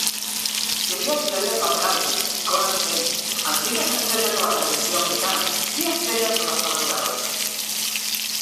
Hi havia estrelles dels realities, icones gais, antigues estrelles de la televisió americana i estrelles de les telenovel·les.